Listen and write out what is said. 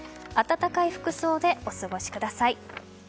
暖かい服装でお過ごしください。